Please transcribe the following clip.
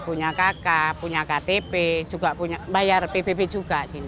punya kk punya ktp juga bayar ppp juga